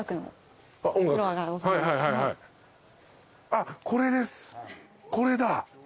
あっこれですこれだ。